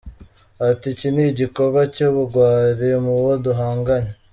Ati "Iki ni igikorwa cy’ubugwari mu bo duhanganye.